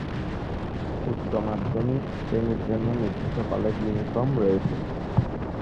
উচ্চ মাধ্যমিক শ্রেণির জন্য নির্দিষ্ট কলেজ ইউনিফর্ম রয়েছে।